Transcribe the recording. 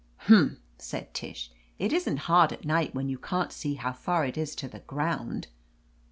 "Humph!" said Tish. "It isn't hard at night, when you can't see how far it is to the ground."